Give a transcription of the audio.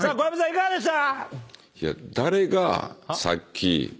いかがでした？